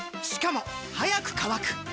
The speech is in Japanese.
しかも速く乾く！